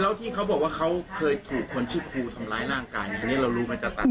แล้วที่เขาบอกว่าเขาเคยถูกคนชื่อครูทำร้ายร่างกายเนี่ยอันนี้เรารู้มาจากต่าง